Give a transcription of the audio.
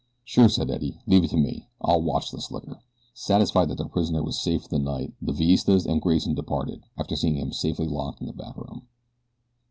"Sure," said Eddie, "leave it to me I'll watch the slicker." Satisfied that their prisoner was safe for the night the Villistas and Grayson departed, after seeing him safely locked in the back room.